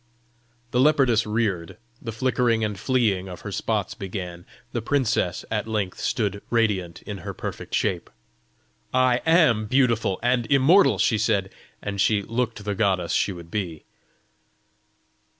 The leopardess reared; the flickering and fleeing of her spots began; the princess at length stood radiant in her perfect shape. "I AM beautiful and immortal!" she said and she looked the goddess she would be.